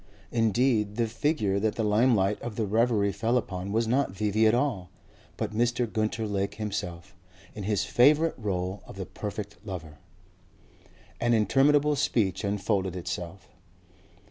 Indeed the figure that the limelight of the reverie fell upon was not V.V. at all but Mr. Gunter Lake himself, in his favourite role of the perfect lover. An interminable speech unfolded itself.